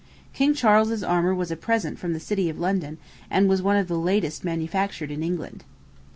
King Charles's armor was a present from the city of London, and was one of the latest manufactured in England.